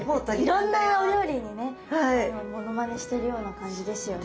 いろんなお料理にねモノマネしてるような感じですよね。